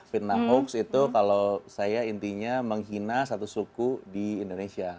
fitnah hoax itu kalau saya intinya menghina satu suku di indonesia